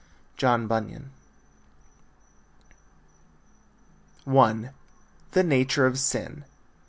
John Bunyan. I. THE NATURE OF SIN.